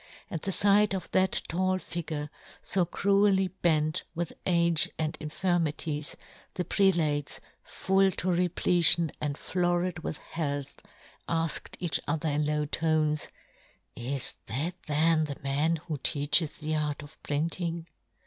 At the fight of that tall figure, fo cruelly bent with age and infirmities, the prelates, full to repletion and florid John Gutenberg. 1 1 1 with health, afked each other in low tones, " Is that then the man who " teaches the art of printing